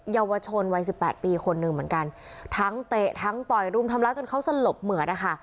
เยาวชนวัยสิบแปดปีคนหนึ่งเหมือนกันทั้งเตะทั้งต่อยรุมทำร้ายจนเขาสลบเหมือดนะคะ